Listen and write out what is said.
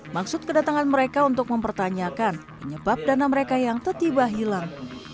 maksud kedatangan mereka untuk mempertanyakan menyebabkan dana mereka yang tiba tiba hilang